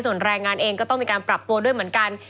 ส่วนแรงงานเองก็ต้องมีการปรับตัวด้วยเหมือนกัน